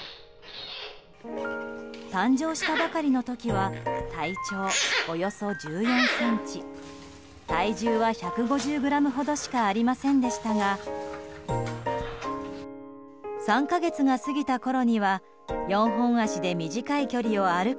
誕生したばかりの時は体長およそ１４ｃｍ体重は１５０ｇほどしかありませんでしたが３か月が過ぎたころには４本足で短い距離を歩く